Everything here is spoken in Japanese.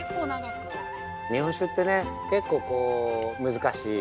◆日本酒ってね、結構難しい。